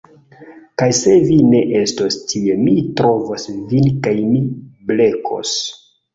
Kaj se vi ne estos tie mi trovos vin kaj mi blekos